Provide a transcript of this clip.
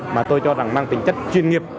mà tôi cho rằng mang tính chất chuyên nghiệp